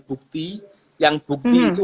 bukti yang bukti itu